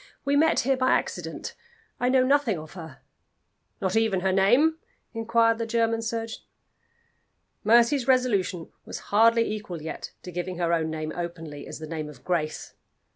"We met here by accident. I know nothing of her." "Not even her name?" inquired the German surgeon. Mercy's resolution was hardly equal yet to giving her own name openly as the name of Grace.